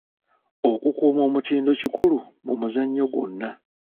Okukuuma omutindo kikulu mu muzannyo gwonna.